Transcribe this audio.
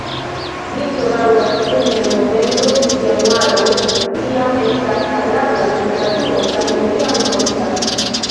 Vintro daŭras inter novembro-januaro, tiam estas agrabla temperaturo kaj neniam frostas.